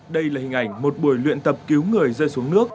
đây là hình ảnh một buổi luyện tập cứu người rơi xuống nước